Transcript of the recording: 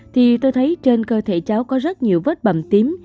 thì tôi thấy trên cơ thể cháu có rất nhiều vết bầm tím